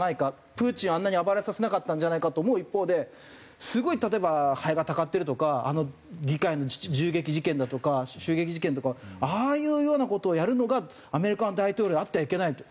プーチンをあんなに暴れさせなかったんじゃないかと思う一方ですごい例えばハエがたかってるとか議会の銃撃事件だとか襲撃事件とかああいうような事をやるのがアメリカの大統領はあってはいけないと。